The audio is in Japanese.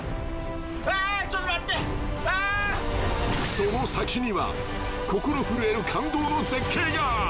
［その先には心震える感動の絶景が］